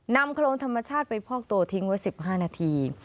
โครงธรรมชาติไปพอกตัวทิ้งไว้๑๕นาที